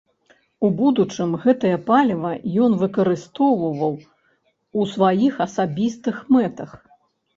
У будучым гэтае паліва ён выкарыстоўваў у сваіх асабістых мэтах.